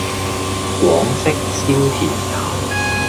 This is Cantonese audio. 廣式燒填鴨